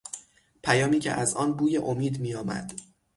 پیامی که از آن بوی امید میآمد